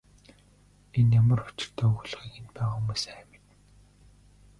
Энэ ямар учиртай үг болохыг энд байгаа хүмүүс сайн мэднэ.